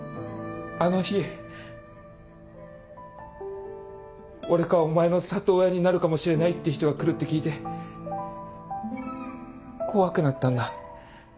あの日俺かお前の里親になるかもしれないって人が来るって聞いて怖くなったんだ。